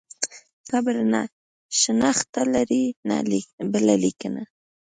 قبر نه شنخته لري نه بله لیکنه.